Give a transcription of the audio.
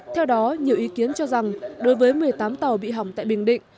theo đó nhiều ý kiến cho rằng đối với một mươi tám tàu bị hỏng tại bình định